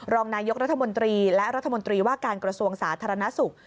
รองนายกรัฐมนตรีและรัฐมนตรีว่าการกระทรวงสาธารณสุข